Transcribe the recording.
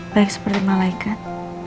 baik seperti malaikat